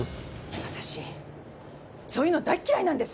わたしそういうの大っ嫌いなんです！